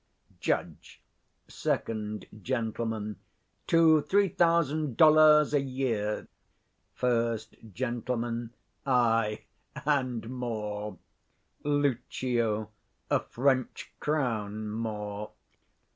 _ Judge. Sec. Gent. To three thousand dolours a year. First Gent. Ay, and more. Lucio. A French crown more.